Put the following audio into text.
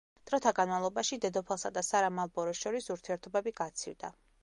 დროთა განმავლობაში დედოფალსა და სარა მალბოროს შორის ურთიერთობები გაცივდა.